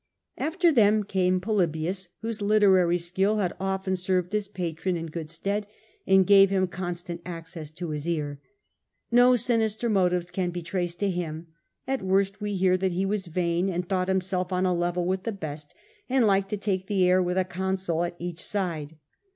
After them came Polybius, whose literary skill had often served his patron in good stead and gave him con stant access to his ear. No sinister motives can be traced to him ; at worst we hear that he was vain, and thought himself on a level with the best, and liked to take the air with a consul at each side.